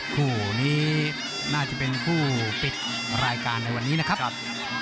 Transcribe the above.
คู่นี้น่าจะเป็นคู่ปิดรายการในวันนี้นะครับ